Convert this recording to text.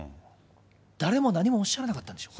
誰も何もおっしゃらなかったんでしょうか。